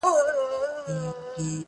• د خپل قسمت سره په جنګ را وزم -